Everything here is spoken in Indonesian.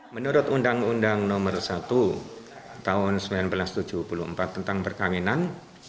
menurut undang undang nomor satu tahun seribu sembilan ratus tujuh puluh empat tentang perkawinan